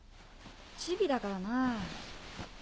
チビだからなぁ。